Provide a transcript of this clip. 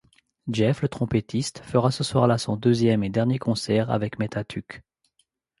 Jeff le trompettiste fera ce soir-là son deuxième et dernier concert avec Mètatuk.